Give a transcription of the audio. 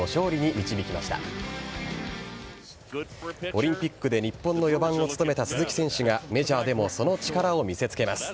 オリンピックで日本の４番を務めた鈴木選手がメジャーでもその力を見せ付けます。